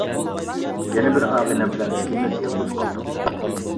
يەنە بىر ئاغىنەم بىلەن ئىككىمىز يالغۇز قالدۇق.